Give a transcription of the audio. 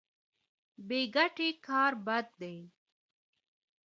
بې ګټې کار بد دی.